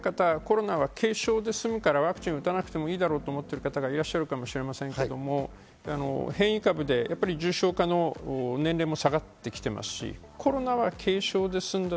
若い方、コロナは軽症で済むからワクチンを打たなくてもいいだろうと考えている方もいるかもしれませんが、変異株で重症化の年齢も下がってきています。